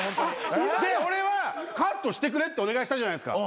で俺はカットしてくれってお願いしたじゃないですか。